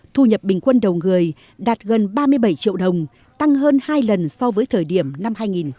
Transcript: thu nhập bình quân đầu người đạt gần ba mươi bảy triệu đồng tăng hơn hai lần so với thời điểm năm hai nghìn một mươi